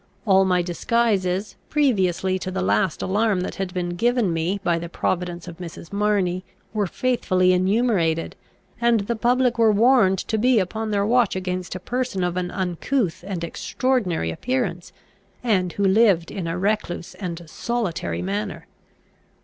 All my disguises, previously to the last alarm that had been given me by the providence of Mrs. Marney, were faithfully enumerated; and the public were warned to be upon their watch against a person of an uncouth and extraordinary appearance, and who lived in a recluse and solitary manner.